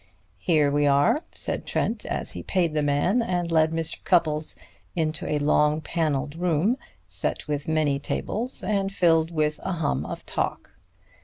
"Here we are," said Trent as he paid the man and led Mr. Cupples into a long paneled room set with many tables and filled with a hum of talk.